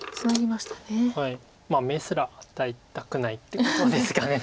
まあ眼すら与えたくないってことですか多分。